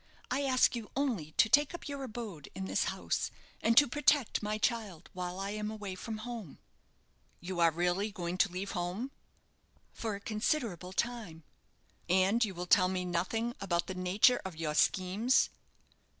I ask you only to take up your abode in this house, and to protect my child while I am away from home." "You are really going to leave home?" "For a considerable time." "And you will tell me nothing about the nature of your schemes?"